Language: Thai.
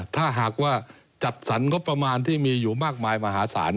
ถ้าหากว่าจัดสรรงบประมาณที่มีอยู่มากมายมหาศาล